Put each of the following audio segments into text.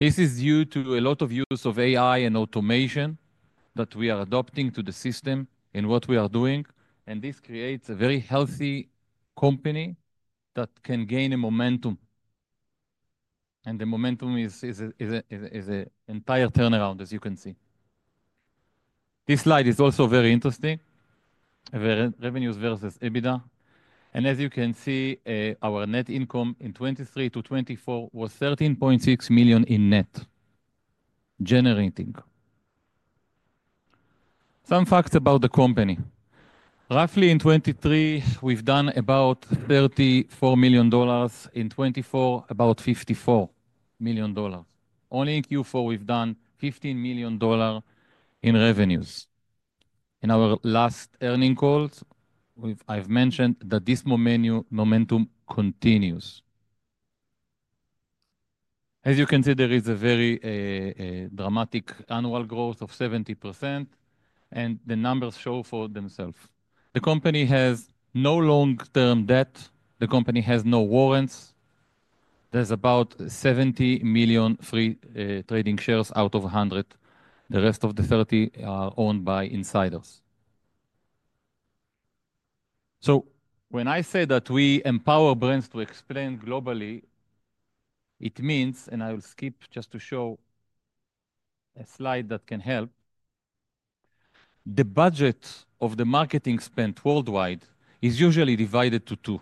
This is due to a lot of use of AI and automation that we are adopting to the system in what we are doing, and this creates a very healthy company that can gain momentum. The momentum is an entire turnaround, as you can see. This slide is also very interesting, revenues versus EBITDA. As you can see, our net income in 2023 to 2024 was $13.6 million in net generating. Some facts about the company: roughly in 2023, we've done about $34 million; in 2024, about $54 million. Only in Q4, we've done $15 million in revenues. In our last earning calls, I've mentioned that this momentum continues. As you can see, there is a very dramatic annual growth of 70%, and the numbers show for themselves. The company has no long-term debt. The company has no warrants. There's about 70 million free, trading shares out of 100. The rest of the 30 are owned by insiders. When I say that we empower brands to expand globally, it means—I will skip just to show a slide that can help—the budget of the marketing spent worldwide is usually divided into two.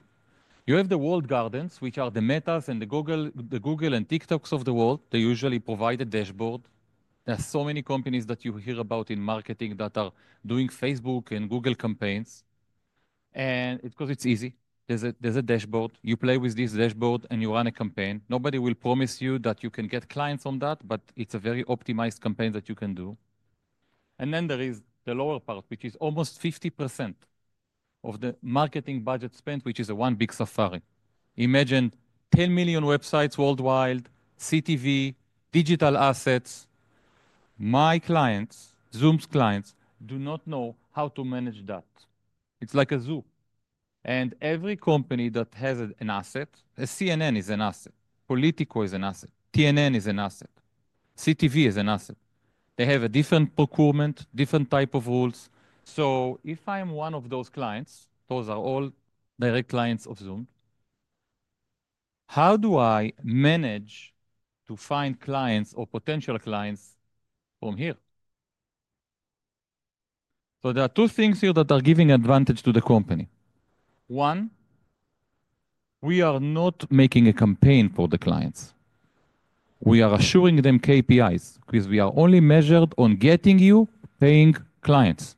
You have the Walled Gardens, which are the Meta and the Google, the Google and TikToks of the world. They usually provide a dashboard. There are so many companies that you hear about in marketing that are doing Facebook and Google campaigns. It's because it's easy. There's a dashboard. You play with this dashboard, and you run a campaign. Nobody will promise you that you can get clients on that, but it's a very optimized campaign that you can do. There is the lower part, which is almost 50% of the marketing budget spent, which is a one big safari. Imagine 10 million websites worldwide, CTV, digital assets. My clients, Zoomd's clients, do not know how to manage that. It's like a zoo. Every company that has an asset—CNN is an asset, Politico is an asset, TNT is an asset, CTV is an asset—they have a different procurement, different type of rules. If I'm one of those clients, those are all direct clients of Zoomd, how do I manage to find clients or potential clients from here? There are two things here that are giving advantage to the company. One, we are not making a campaign for the clients. We are assuring them KPIs because we are only measured on getting you paying clients.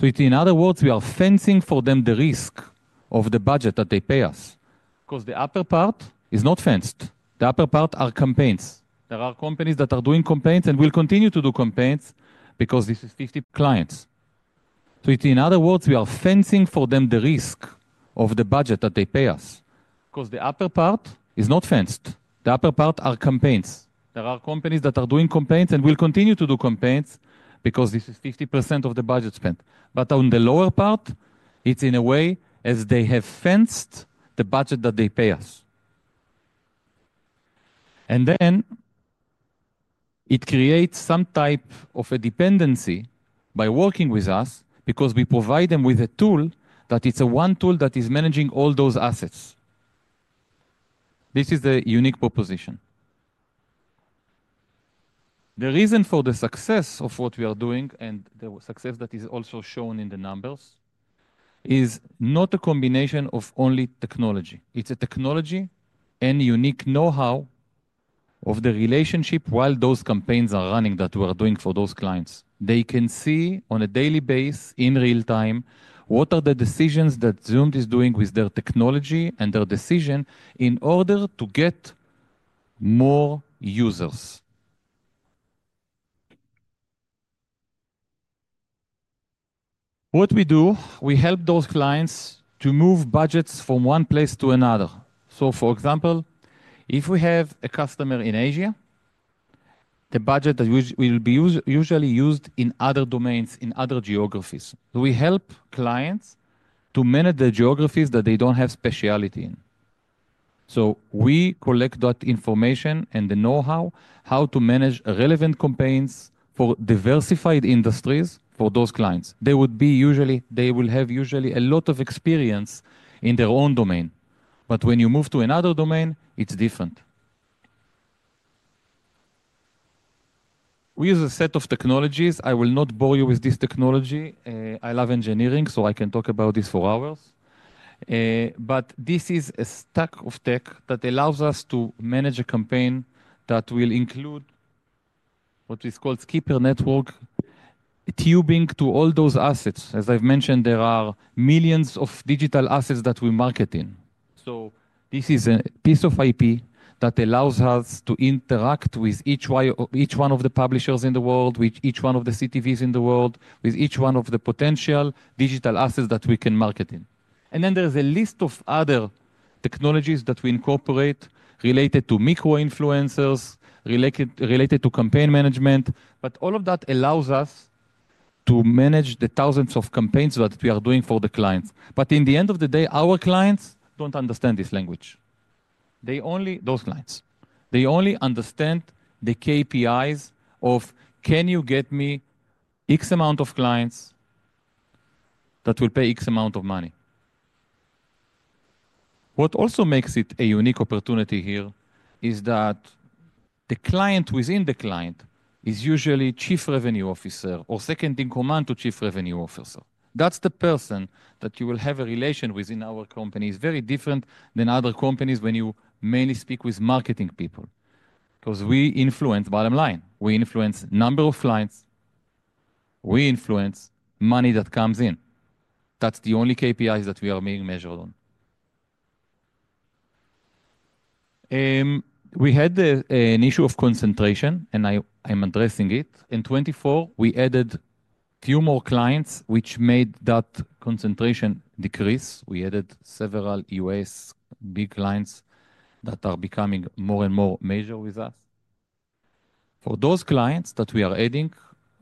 In other words, we are fencing for them the risk of the budget that they pay us because the upper part is not fenced. The upper part are campaigns. There are companies that are doing campaigns and will continue to do campaigns because this is 50% of the budget spent. On the lower part, it's in a way as they have fenced the budget that they pay us. It creates some type of a dependency by working with us because we provide them with a tool that is a one tool that is managing all those assets. This is the unique proposition. The reason for the success of what we are doing, and the success that is also shown in the numbers, is not a combination of only technology. It's a technology and unique know-how of the relationship while those campaigns are running that we are doing for those clients. They can see on a daily basis, in real time, what are the decisions that Zoomd is doing with their technology and their decision in order to get more users. What we do, we help those clients to move budgets from one place to another. For example, if we have a customer in Asia, the budget that will be usually used in other domains, in other geographies, we help clients to manage the geographies that they don't have specialty in. We collect that information and the know-how how to manage relevant campaigns for diversified industries for those clients. They will usually have a lot of experience in their own domain. When you move to another domain, it's different. We use a set of technologies. I will not bore you with this technology. I love engineering, so I can talk about this for hours. This is a stack of tech that allows us to manage a campaign that will include what is called keeper network, tubing to all those assets. As I have mentioned, there are millions of digital assets that we market in. This is a piece of IP that allows us to interact with each one of the publishers in the world, with each one of the CTVs in the world, with each one of the potential digital assets that we can market in. There is a list of other technologies that we incorporate related to micro-influencers, related to campaign management. All of that allows us to manage the thousands of campaigns that we are doing for the clients. In the end of the day, our clients do not understand this language. Those clients only understand the KPIs of, "Can you get me X amount of clients that will pay X amount of money?" What also makes it a unique opportunity here is that the client within the client is usually Chief Revenue Officer or second in command to Chief Revenue Officer. That's the person that you will have a relation with in our company is very different than other companies when you mainly speak with marketing people because we influence bottom line. We influence number of clients. We influence money that comes in. That's the only KPIs that we are being measured on. We had an issue of concentration, and I'm addressing it. In 2024, we added a few more clients, which made that concentration decrease. We added several U.S. big clients that are becoming more and more major with us. For those clients that we are adding,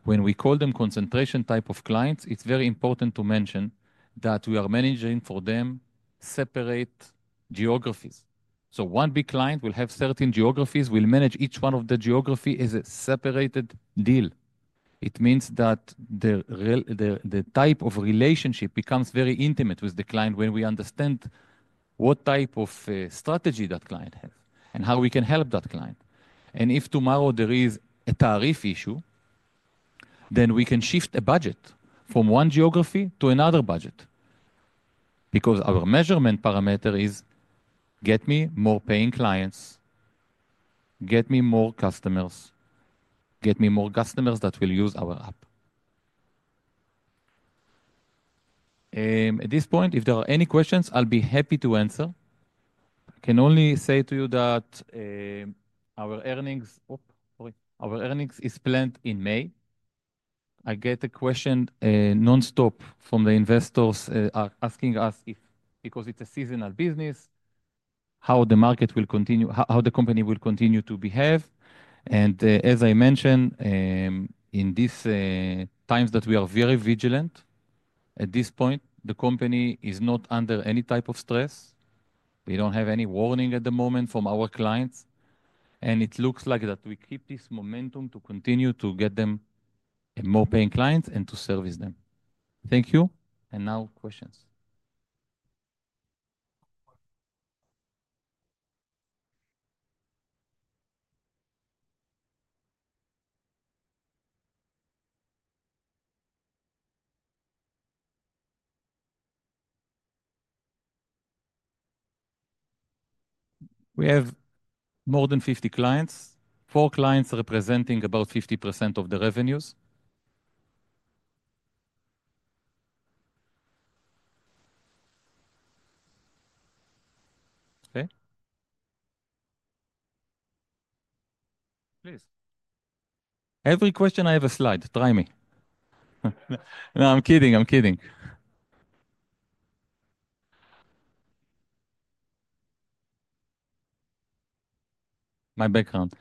when we call them concentration type of clients, it's very important to mention that we are managing for them separate geographies. So one big client will have certain geographies. We'll manage each one of the geographies as a separated deal. It means that the type of relationship becomes very intimate with the client when we understand what type of strategy that client has and how we can help that client. If tomorrow there is a tariff issue, then we can shift a budget from one geography to another budget because our measurement parameter is, "Get me more paying clients, get me more customers, get me more customers that will use our app." At this point, if there are any questions, I'll be happy to answer. I can only say to you that our earnings, sorry, our earnings is planned in May. I get a question nonstop from the investors, asking us if, because it's a seasonal business, how the market will continue, how the company will continue to behave. As I mentioned, in these times we are very vigilant. At this point, the company is not under any type of stress. We do not have any warning at the moment from our clients. It looks like we keep this momentum to continue to get more paying clients and to service them. Thank you. Now, questions. We have more than 50 clients, four clients representing about 50% of the revenues. Okay. Please, every question, I have a slide. Try me. No, I am kidding. I am kidding. My background.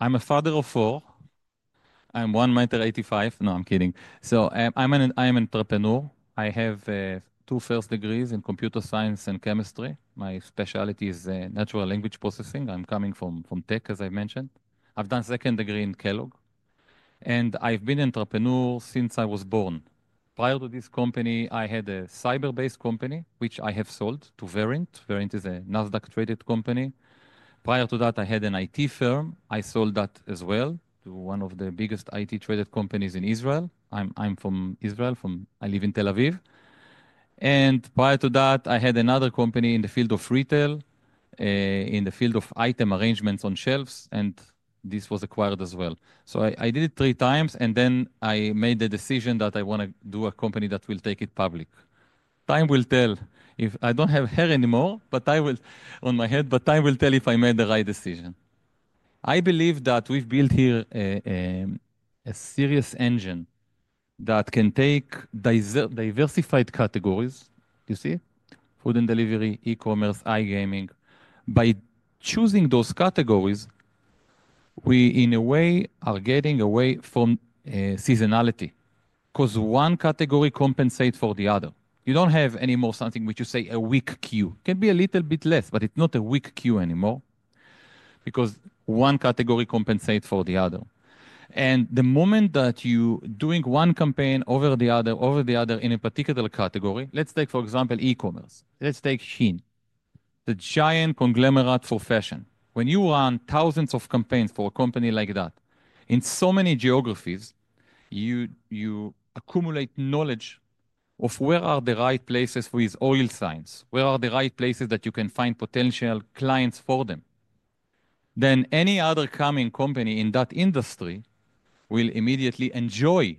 I am a father of four. I am one meter 85. No, I am kidding. I am an entrepreneur. I have two first degrees in computer science and chemistry. My specialty is natural language processing. I am coming from tech, as I mentioned. I have done a second degree in Kellogg, and I have been an entrepreneur since I was born. Prior to this company, I had a cyber-based company, which I have sold to Verintt. Verintt is a NASDAQ-traded company. Prior to that, I had an IT firm. I sold that as well to one of the biggest IT-traded companies in Israel. I'm from Israel, I live in Tel Aviv. Prior to that, I had another company in the field of retail, in the field of item arrangements on shelves, and this was acquired as well. I did it three times, and then I made the decision that I want to do a company that will take it public. Time will tell if I don't have hair anymore on my head, but time will tell if I made the right decision. I believe that we've built here a serious engine that can take diversified categories. You see, food and delivery, e-commerce, iGaming. By choosing those categories, we, in a way, are getting away from seasonality because one category compensates for the other. You do not have anymore something which you say a weak queue. It can be a little bit less, but it is not a weak queue anymore because one category compensates for the other. The moment that you are doing one campaign over the other, over the other in a particular category, let us take, for example, e-commerce. Let us take Shein, the giant conglomerate for fashion. When you run thousands of campaigns for a company like that in so many geographies, you accumulate knowledge of where are the right places for these oil signs, where are the right places that you can find potential clients for them. Any other coming company in that industry will immediately enjoy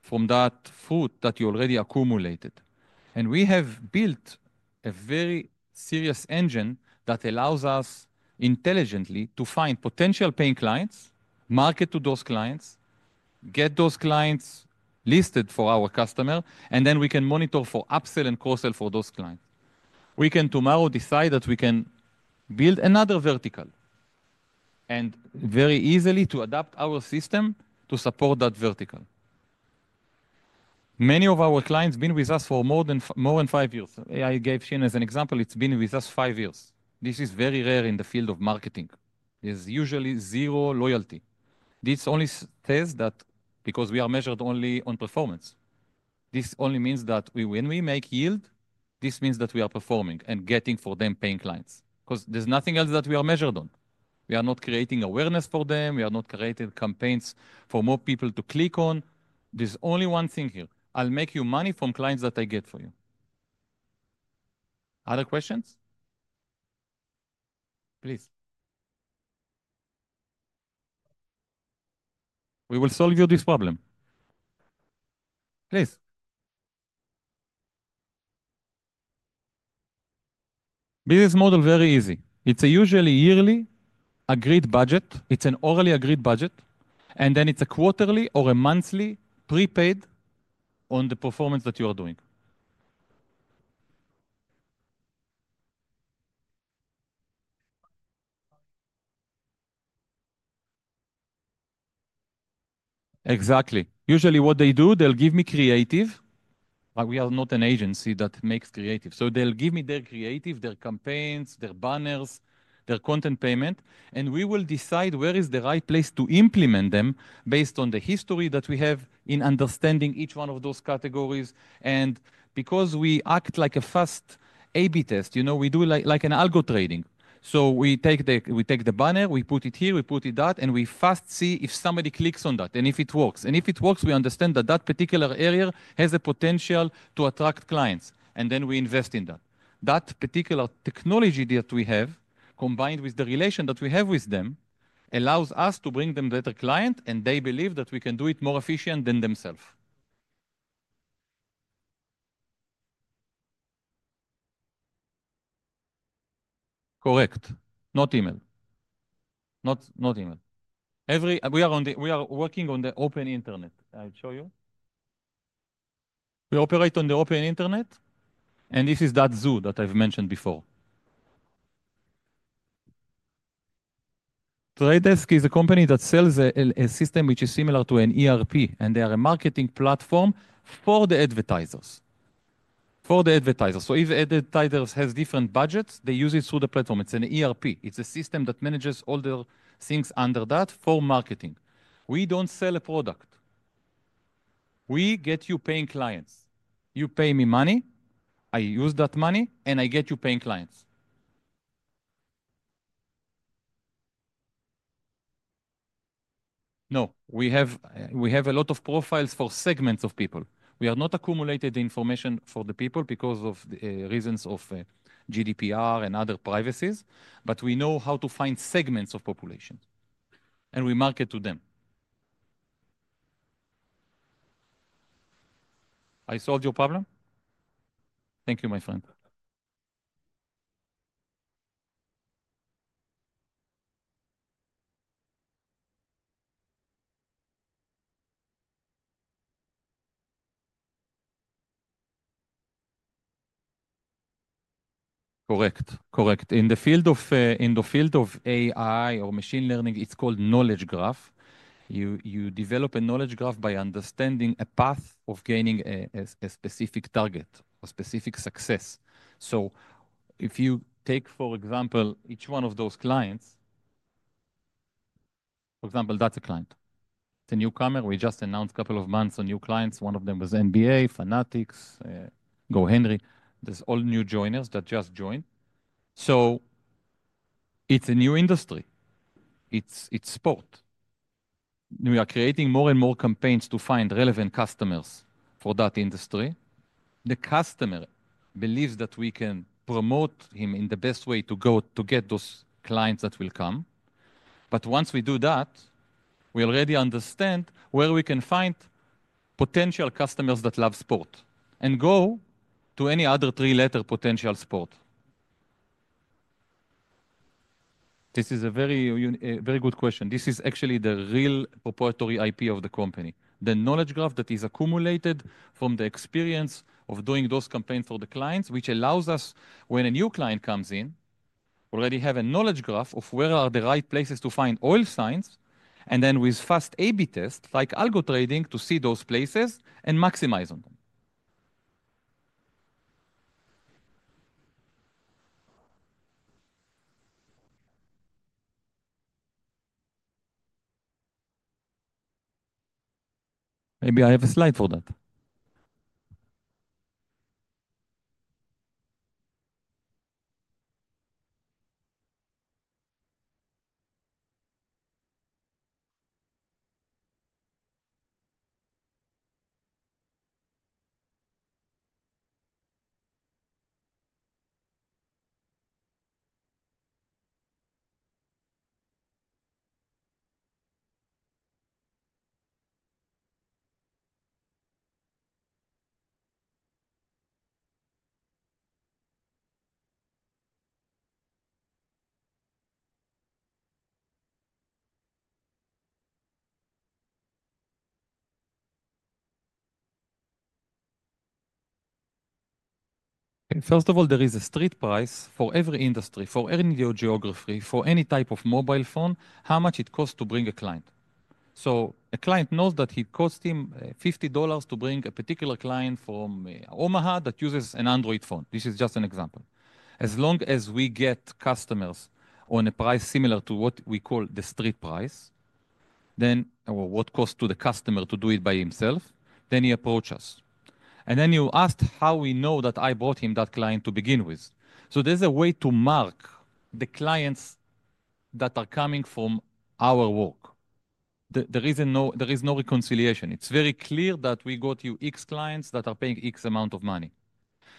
from that fruit that you already accumulated. We have built a very serious engine that allows us intelligently to find potential paying clients, market to those clients, get those clients listed for our customer, and then we can monitor for upsell and cross-sell for those clients. We can tomorrow decide that we can build another vertical and very easily adapt our system to support that vertical. Many of our clients have been with us for more than five years. I gave Shein as an example. It's been with us five years. This is very rare in the field of marketing. There's usually zero loyalty. This only says that because we are measured only on performance, this only means that when we make yield, this means that we are performing and getting for them paying clients because there's nothing else that we are measured on. We are not creating awareness for them. We are not creating campaigns for more people to click on. There's only one thing here. I'll make you money from clients that I get for you. Other questions? Please. We will solve you this problem. Please. Business model, very easy. It's a usually yearly agreed budget. It's an orally agreed budget, and then it's a quarterly or a monthly prepaid on the performance that you are doing. Exactly. Usually what they do, they'll give me creative. We are not an agency that makes creative. So they'll give me their creative, their campaigns, their banners, their content payment, and we will decide where is the right place to implement them based on the history that we have in understanding each one of those categories. Because we act like a fast A/B test, you know, we do like an algo trading. We take the banner, we put it here, we put it there, and we fast see if somebody clicks on that and if it works. If it works, we understand that that particular area has a potential to attract clients, and then we invest in that. That particular technology that we have, combined with the relation that we have with them, allows us to bring them better clients, and they believe that we can do it more efficiently than themselves. Correct. Not email. Not, not email. Every, we are on the, we are working on the open internet. I'll show you. We operate on the open internet, and this is that zoo that I've mentioned before. The Trade Desk is a company that sells a system which is similar to an ERP, and they are a marketing platform for the advertisers. For the advertisers. If advertisers have different budgets, they use it through the platform. It's an ERP. It's a system that manages all their things under that for marketing. We don't sell a product. We get you paying clients. You pay me money. I use that money, and I get you paying clients. No, we have a lot of profiles for segments of people. We are not accumulating the information for the people because of the reasons of GDPR and other privacy, but we know how to find segments of population, and we market to them. I solved your problem. Thank you, my friend. Correct. Correct. In the field of, in the field of AI or machine learning, it's called knowledge graph. You develop a knowledge graph by understanding a path of gaining a specific target or specific success. If you take, for example, each one of those clients, for example, that's a client. It's a newcomer. We just announced a couple of months on new clients. One of them was NBA, Fanatics, GoHenry. There's all new joiners that just joined. It's a new industry. It's, it's sport. We are creating more and more campaigns to find relevant customers for that industry. The customer believes that we can promote him in the best way to go to get those clients that will come. Once we do that, we already understand where we can find potential customers that love sport and go to any other three-letter potential sport. This is a very, very good question. This is actually the real proprietary IP of the company, the knowledge graph that is accumulated from the experience of doing those campaigns for the clients, which allows us, when a new client comes in, to already have a knowledge graph of where are the right places to find oil signs, and then with fast A/B tests like algo trading to see those places and maximize on them. Maybe I have a slide for that. First of all, there is a street price for every industry, for any geography, for any type of mobile phone, how much it costs to bring a client. So a client knows that it costs him $50 to bring a particular client from Omaha that uses an Android phone. This is just an example. As long as we get customers on a price similar to what we call the street price, then what costs to the customer to do it by himself, then he approaches us. You asked how we know that I brought him that client to begin with. There is a way to mark the clients that are coming from our work. There is no reconciliation. It is very clear that we got you X clients that are paying X amount of money.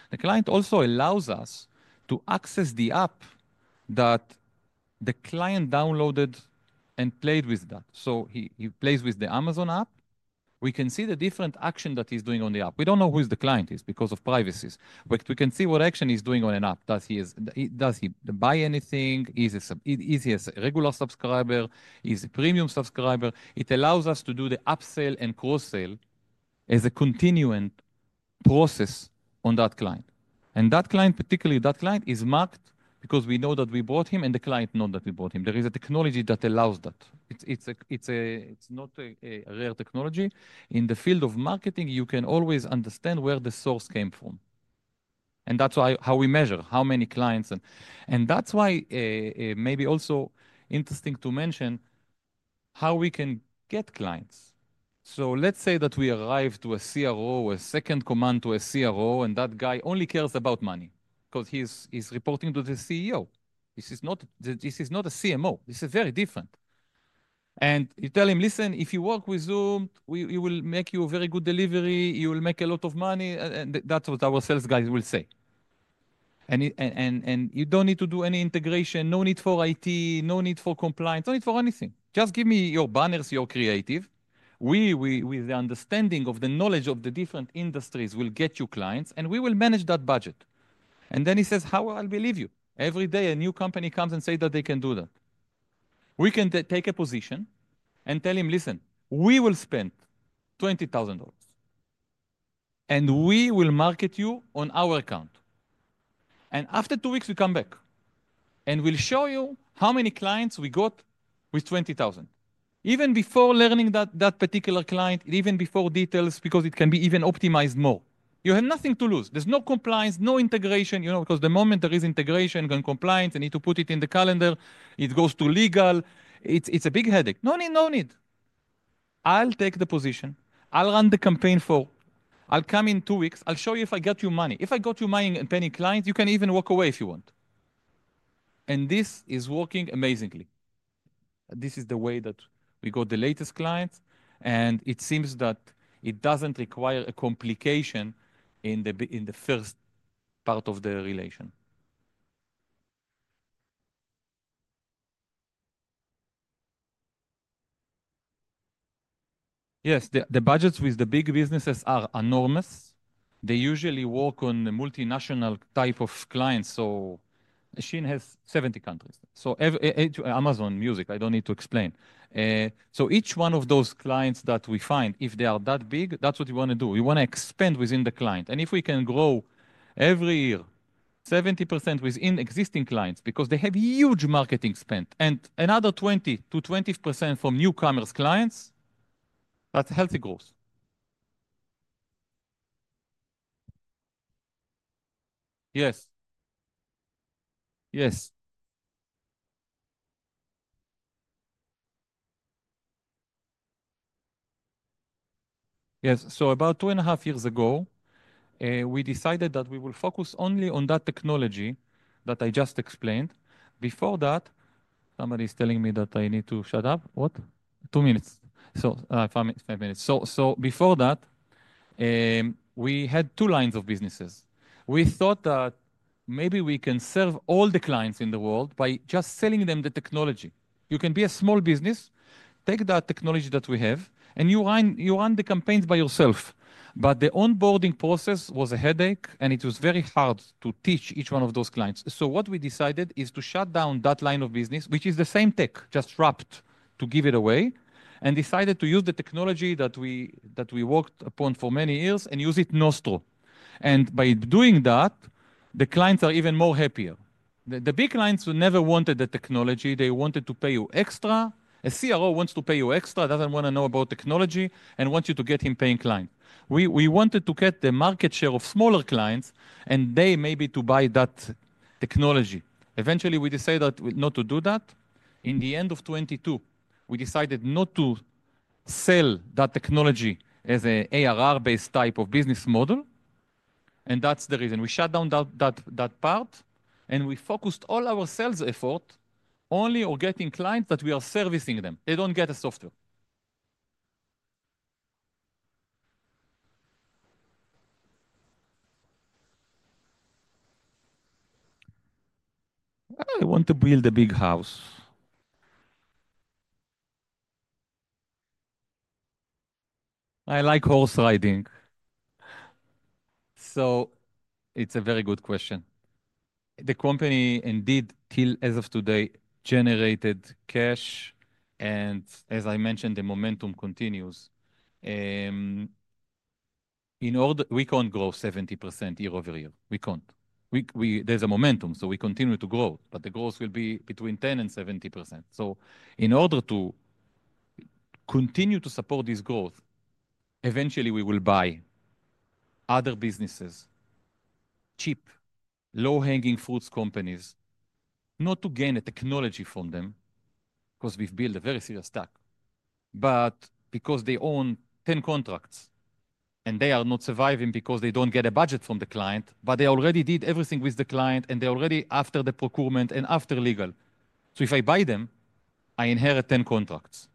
The client also allows us to access the app that the client downloaded and played with that. He plays with the Amazon app. We can see the different action that he is doing on the app. We do not know who the client is because of privacy, but we can see what action he is doing on an app. Does he buy anything? Is he a regular subscriber? Is he a premium subscriber? It allows us to do the upsell and cross-sell as a continuing process on that client. That client, particularly that client, is marked because we know that we brought him and the client knows that we brought him. There is a technology that allows that. It's not a rare technology. In the field of marketing, you can always understand where the source came from. That is how we measure how many clients. That is maybe also interesting to mention how we can get clients. Let's say that we arrive to a CRO, a second in command to a CRO, and that guy only cares about money because he's reporting to the CEO. This is not a CMO. This is very different. You tell him, listen, if you work with Zoomd, we will make you a very good delivery. You will make a lot of money. That is what our sales guys will say. You do not need to do any integration, no need for IT, no need for compliance, no need for anything. Just give me your banners, your creative. We, with the understanding of the knowledge of the different industries, will get you clients, and we will manage that budget. He says, how will I believe you? Every day a new company comes and says that they can do that. We can take a position and tell him, listen, we will spend $20,000 and we will market you on our account. After two weeks, we come back and we will show you how many clients we got with $20,000. Even before learning that, that particular client, even before details, because it can be even optimized more. You have nothing to lose. There's no compliance, no integration, you know, because the moment there is integration and compliance, I need to put it in the calendar, it goes to legal. It's a big headache. No need, no need. I'll take the position. I'll run the campaign for, I'll come in two weeks. I'll show you if I get you money. If I got you money and paying clients, you can even walk away if you want. This is working amazingly. This is the way that we got the latest clients, and it seems that it doesn't require a complication in the first part of the relation. Yes, the budgets with the big businesses are enormous. They usually work on multinational type of clients. Shein has 70 countries. Every Amazon Music, I don't need to explain. Each one of those clients that we find, if they are that big, that's what you want to do. You want to expand within the client. If we can grow every year 70% within existing clients because they have huge marketing spend and another 20%-20% from newcomers clients, that's a healthy growth. Yes. Yes. Yes. About two and a half years ago, we decided that we will focus only on that technology that I just explained. Before that, somebody is telling me that I need to shut up. What? Two minutes. Five minutes. Before that, we had two lines of businesses. We thought that maybe we can serve all the clients in the world by just selling them the technology. You can be a small business, take that technology that we have and you run, you run the campaigns by yourself. The onboarding process was a headache and it was very hard to teach each one of those clients. What we decided is to shut down that line of business, which is the same tech, just wrapped to give it away and decided to use the technology that we, that we worked upon for many years and use it nostril. By doing that, the clients are even more happier. The big clients never wanted the technology. They wanted to pay you extra. A CRO wants to pay you extra, doesn't want to know about technology and wants you to get him paying client. We wanted to get the market share of smaller clients and they maybe to buy that technology. Eventually we decided not to do that. In the end of 2022, we decided not to sell that technology as an ARR-based type of business model. That's the reason we shut down that part. We focused all our sales effort only on getting clients that we are servicing. They don't get a software. I want to build a big house. I like horse riding. It is a very good question. The company indeed, till as of today, generated cash. As I mentioned, the momentum continues. In order, we can't grow 70% year-over-year. We can't. There's a momentum. We continue to grow, but the growth will be between 10% and 70%. In order to continue to support this growth, eventually we will buy other businesses, cheap, low-hanging fruits companies, not to gain a technology from them because we've built a very serious stack, but because they own 10 contracts and they are not surviving because they don't get a budget from the client, but they already did everything with the client and they already, after the procurement and after legal. If I buy them, I inherit 10 contracts.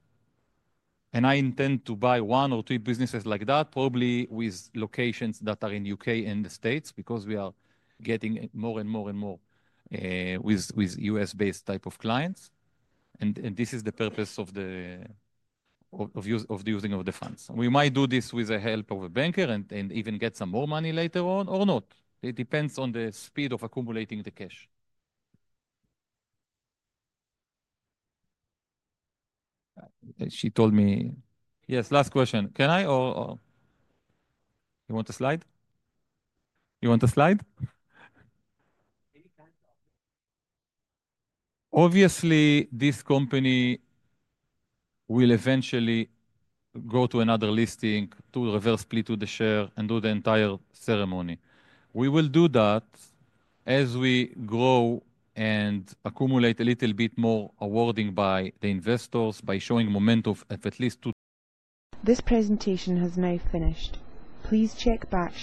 I intend to buy one or two businesses like that, probably with locations that are in the U.K. and the States because we are getting more and more and more with U.S.-based type of clients. This is the purpose of the, of using of the funds. We might do this with the help of a banker and even get some more money later on or not. It depends on the speed of accumulating the cash. She told me, yes, last question. Can I, or you want a slide? You want a slide? Obviously, this company will eventually go to another listing to reverse split the share and do the entire ceremony. We will do that as we grow and accumulate a little bit more awarding by the investors by showing momentum at least. This presentation has now finished. Please check back.